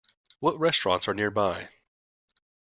What restaurants are nearby?